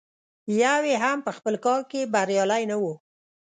یو یې هم په خپل کار کې بریالی نه و.